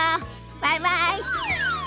バイバイ！